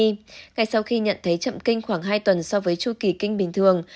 ngay sau khi nhận thấy chậm kinh khoảng hai tuần so với chu kỳ kinh bình thường